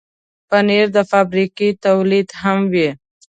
پنېر د فابریکې تولید هم وي.